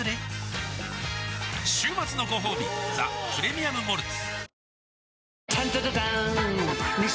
週末のごほうび「ザ・プレミアム・モルツ」